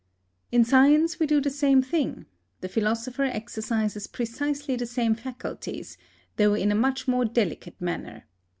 In science we do the same thing; the philosopher exercises precisely the same faculties, though in a much more delicate manner.